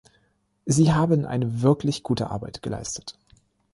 Sie haben eine wirklich gute Arbeit geleistet.